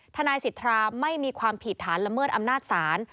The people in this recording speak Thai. ทนายสิทธาไม่มีความผิดฐานละเมิดอำนาจศาล